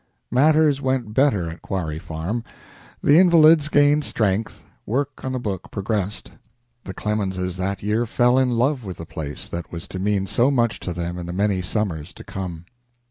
Matters went better at Quarry Farm. The invalids gained strength; work on the book progressed. The Clemenses that year fell in love with the place that was to mean so much to them in the many summers to come.